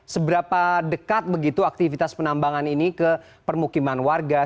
seberapa dekat begitu aktivitas penambangan ini ke permukiman warga